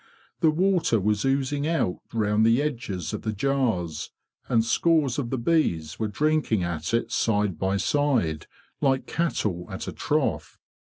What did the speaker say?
The water was oozing out round the edges of the jars, and scores of the bees were drinking at it side by side, like cattle at a trough.